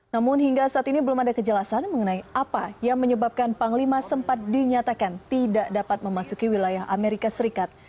namun hingga saat ini belum ada kejelasan mengenai apa yang menyebabkan panglima sempat dinyatakan tidak dapat memasuki wilayah amerika serikat